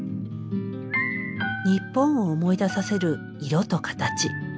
日本を思い出させる色と形。